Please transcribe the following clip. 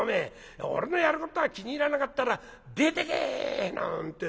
俺のやることが気に入らなかったら出てけ！』なんて